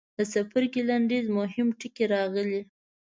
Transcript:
د څپرکي لنډیز کې مهم ټکي راغلي.